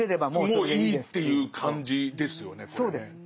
もういいっていう感じですよねこれね。